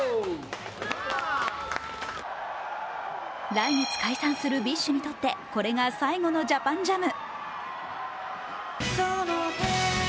来月解散するＢｉＳＨにとってこれが最後のＪＡＰＡＮＪＡＭ。